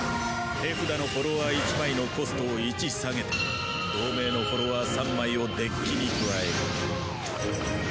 手札のフォロワー１枚のコストを１下げて同名のフォロワー３枚をデッキに加える。